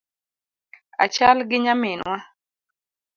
Achal gi nyaminwa